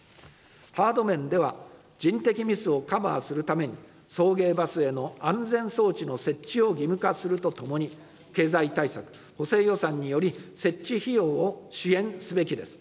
ハード面では、人的ミスをカバーするために、送迎バスへの安全装置の設置を義務化するとともに、経済対策・補正予算により、設置費用を支援すべきです。